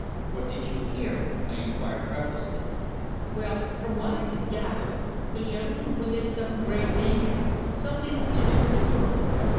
"What did you hear?" I inquired breathlessly. "Well, from what I could gather the gentleman was in some grave danger something to do with a girl.